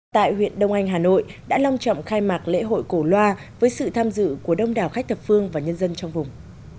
tại huyện đông anh hà nội đã long trọng khai mạc lễ hội cổ loa với sự tham dự của đông đảo khách thập phương và nhân dân trong vùng